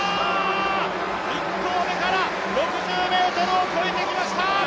１投目から６０ｍを越えてきました！